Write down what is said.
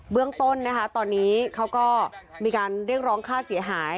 เรื่องต้นนะคะตอนนี้เขาก็มีการเรียกร้องค่าเสียหาย